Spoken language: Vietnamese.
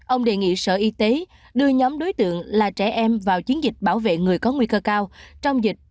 ông đề nghị sở y tế đưa nhóm đối tượng là trẻ em vào chiến dịch bảo vệ người có nguy cơ cao trong dịch